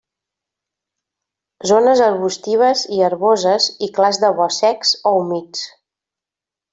Zones arbustives i herboses i clars de bosc secs o humits.